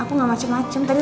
aku gak mau cek mobil